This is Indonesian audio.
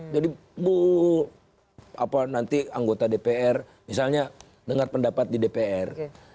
jadi nanti anggota dpr misalnya dengar pendapat di dpr